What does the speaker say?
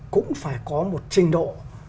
cũng phải có một trình độ